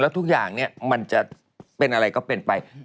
แล้วทุกอย่างมันจะเป็นอะไรก็เป็นไป